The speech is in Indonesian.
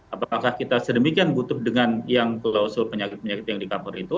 apakah kita sedemikian butuh dengan yang klausul penyakit penyakit yang di cover itu